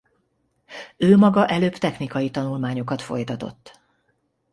Ő maga előbb technikai tanulmányokat folytatott.